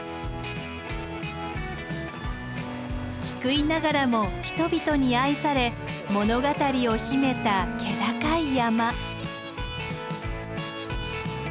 低いながらも人々に愛され物語を秘めた気高い山。